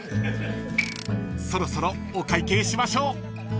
［そろそろお会計しましょう］